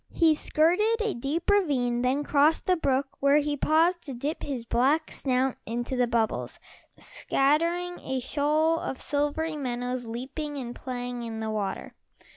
He skirted a deep ravine, then crossed the brook where he paused to dip his black snout into the bubbles, scattering a shoal of silvery minnows leaping and playing in the water.